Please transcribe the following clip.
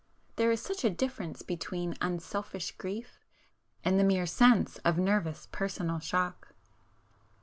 There is such a difference between unselfish grief, and the mere sense of nervous personal shock!